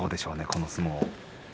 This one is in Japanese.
この相撲は。